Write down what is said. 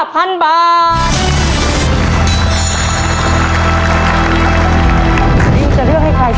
ตอนนี้จะเลือกให้ใคร